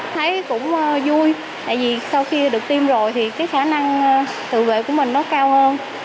thấy cũng vui tại vì sau khi được tiêm rồi thì cái khả năng tự vệ của mình nó cao hơn